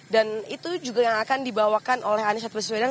dan itu juga yang akan dibawakan oleh anissa sibaswedan